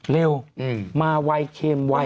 เร็วมาไวเค็มไว